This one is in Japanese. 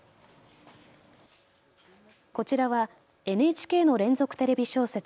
こちらはＮＨＫの連続テレビ小説